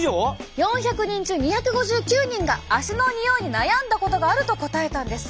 ４００人中２５９人が足のにおいに悩んだことがあると答えたんです。